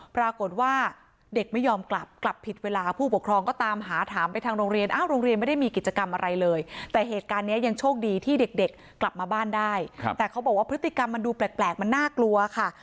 ปรากฏว่าเด็กไม่ยอมกลับกลับผิดเวลาผู้ปกครองก็ตามหาถามไปทางโรงเรียนอ้าวโรงเรียนไม่ได้มีกิจกรรมอะไรเลยแต่เหตุการณ์นี้ยังโชคดีที่เด็กกลับมาบ้านได้แต่เขาบอกว่าพฤติกรรมมันดูแปลกมันน่ากลัวค่ะ